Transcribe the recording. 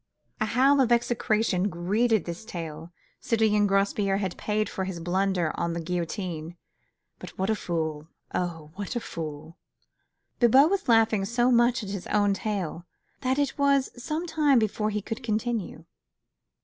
'" A howl of execration greeted this tale. Citoyen Grospierre had paid for his blunder on the guillotine, but what a fool! oh! what a fool! Bibot was laughing so much at his own tale that it was some time before he could continue.